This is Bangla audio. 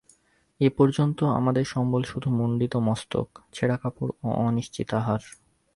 এ পর্যন্ত আমাদের সম্বল শুধু মুণ্ডিত মস্তক, ছেঁড়া কাপড় ও অনিশ্চিত আহার।